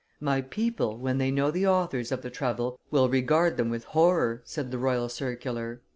"My people, when they know the authors of the trouble, will regard them with horror," said the royal circular.